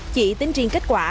chỉ tính riêng kết quả